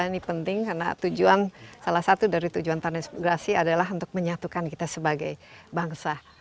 ini penting karena tujuan salah satu dari tujuan transmigrasi adalah untuk menyatukan kita sebagai bangsa